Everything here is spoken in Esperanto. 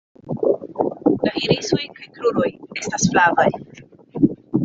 La irisoj kaj kruroj estas flavaj.